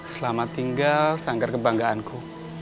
selamat tinggal sanggar kebanggaanku